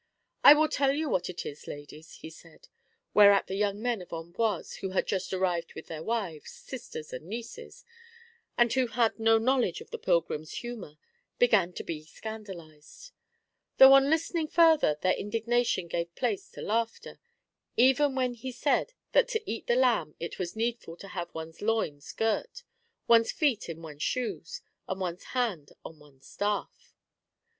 " I will tell you what it is, ladies," he said, whereat the young men of Amboise, who had just arrived with their wives, sisters, and nieces, and who had no knowledge of the pilgrim's humour, began to be scandalised ; though on listening further their indignation gave place to laughter, even when he said that to eat the lamb it was needful to have one's loins girt, one's feet in one's shoes, and one's hand on one's staff.